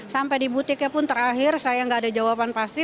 sampai di butiknya pun terakhir saya nggak ada jawaban pasti